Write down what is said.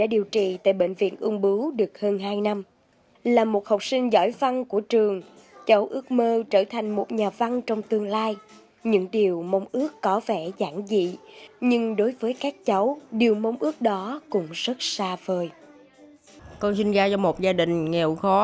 để chia sẻ với các bệnh nhân ung thư nói chung và các cháu bị ung thư nói riêng